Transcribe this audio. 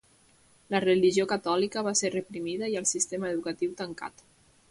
La religió catòlica va ser reprimida i el sistema educatiu tancat.